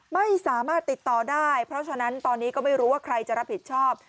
ไม่สามารถติดต่อได้เพราะฉะนั้นตอนนี้ก็ไม่รู้ว่าใครจะรับผิดชอบ